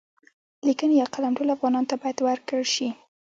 لیکانی يا قلم ټولو افغانانو ته باید ورکړل شي.